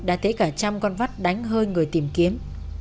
đã thấy cả trăm con vắt đánh hơi người tìm kiếm